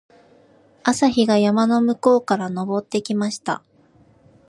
朝日が山の向こうから昇ってきました。